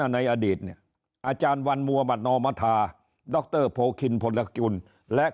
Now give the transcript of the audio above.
ในอดีตเนี่ยอาจารย์วันมัวมัตนอมธาดรโพคินพลกุลและ